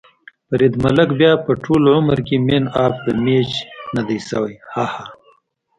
فرید ملک بیا به ټول عمر کې مېن اف ده مېچ ندی شوی.ههه